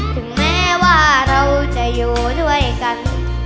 ถึงแม้ว่าเราจะอยู่ด้วยกัน